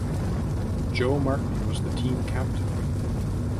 Joe Martin was the team captain.